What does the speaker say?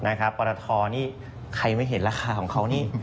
นะครับปอร์ตทอร์นี่ใครไม่เห็นราคาของเขานี่